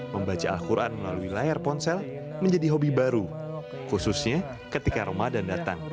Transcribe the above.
membaca al quran melalui layar ponsel menjadi hobi baru khususnya ketika ramadan datang